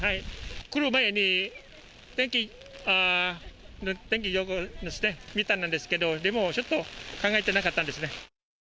来る前に天気、天気予報、見たのですけど、でもちょっと、考えてなかったんですね。